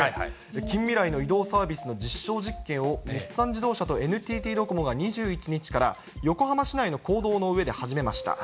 近未来の移動サービスの実証実験を日産自動車とＮＴＴドコモが２１日から、横浜市内の公道の上で始めました。